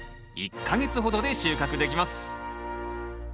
１か月ほどで収穫できます。